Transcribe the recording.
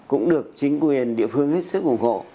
cũng được chính quyền địa phương hết sức ủng hộ